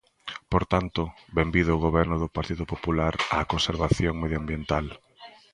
Por tanto, benvido o Goberno do Partido Popular á conservación medioambiental.